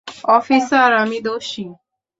Officer, আমি দোষী।